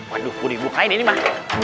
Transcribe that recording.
waduh kulit bukain ini mah